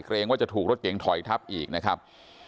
เกรงว่าจะถูกรถเก่งถอยทับอีกนะครับ